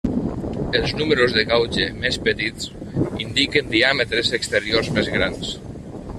Els números de gauge més petits indiquen diàmetres exteriors més grans.